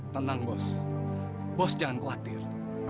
tentang bos bos jangan khawatir